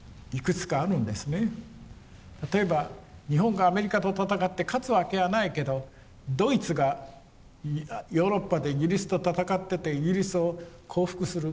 例えば日本がアメリカと戦って勝つわけはないけどドイツがヨーロッパでイギリスと戦っててイギリスを降伏する。